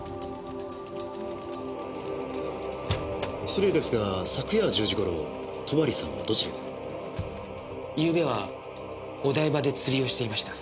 失礼ですが昨夜１０時頃戸張さんはどちらに？ゆうべはお台場で釣りをしていました。